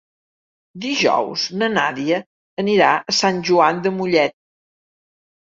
Dijous na Nàdia anirà a Sant Joan de Mollet.